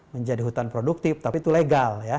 menjadi hutan produktif tapi itu legal